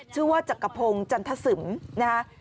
ชื่อว่าจักรพงศ์จันทสซึมนะฮะ